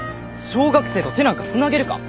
小学生と手なんかつなげるか。